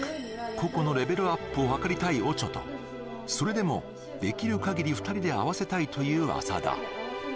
個々のレベルアップを図りたいオチョとそれでもできるかぎり２人で合わせたいという浅田